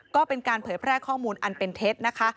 ก็เป็นการเผยแพร่ข้อมูลอันเป็นเท็จนะคะ